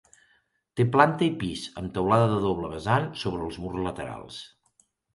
Té planta i pis, amb teulada de doble vessant sobre els murs laterals.